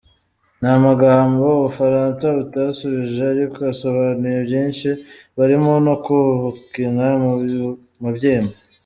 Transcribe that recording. Ni amagambo u Bufaransa butasubije ariko asobanuye byinshi, birimo no kubukina ku mubyimba.